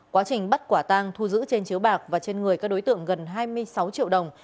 quá trình bắt quả tang thu giữ trên chiếu bạc và trên người các đối tượng gần hai mươi sáu triệu đồng